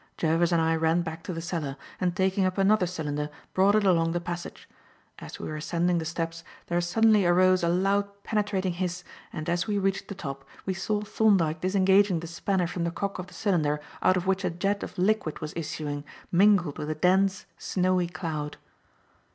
Jervis and I ran back to the cellar, and taking up another cylinder, brought it along the passage. As we were ascending the steps, there suddenly arose a loud, penetrating hiss, and as we reached the top, we saw Thorndyke disengaging the spanner from the cock of the cylinder out of which a jet of liquid was issuing, mingled with a dense, snowy cloud.